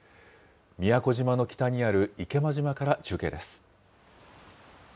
宮古島の北にある池間島から中継です。